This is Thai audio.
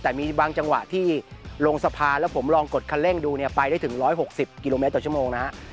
แต่มีบางจังหวะที่ลงสะพานแล้วผมลองกดคันเร่งดูเนี่ยไปได้ถึง๑๖๐กิโลเมตรต่อชั่วโมงนะฮะ